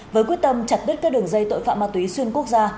với quyết tâm chặt đứt các đường dây tội phạm ma túy xuyên quốc gia